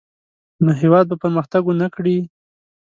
نو هېواد به پرمختګ ونه کړي.